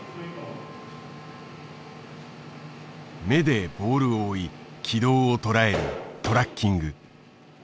目でボールを追い軌道を捉えるトラッキング。